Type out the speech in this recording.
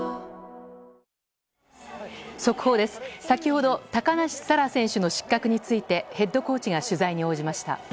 先ほど、高梨沙羅選手の失格について、ヘッドコーチが取材に応じました。